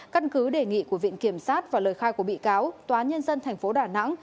căn cứ đề nghị của viện kiểm sát và lời khai của bị cáo tòa nhân dân thành phố đà nẵng